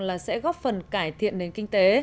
là sẽ góp phần cải thiện đến kinh tế